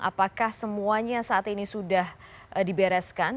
apakah semuanya saat ini sudah dibereskan